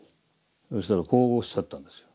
そうしたらこうおっしゃったんですよ。